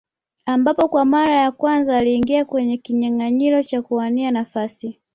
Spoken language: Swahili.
Ambapo kwa mara ya kwanza aliingia kwenye kinyanganyiro cha kuwania nafasi